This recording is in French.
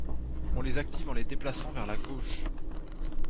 On les active en les déplaçant vers la gauche.